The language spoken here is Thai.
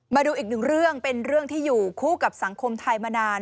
มาดูอีกหนึ่งเรื่องเป็นเรื่องที่อยู่คู่กับสังคมไทยมานาน